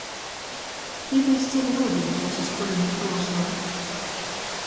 Tī byus ceļa ruodeituojs, iz kurīni Kruoslova.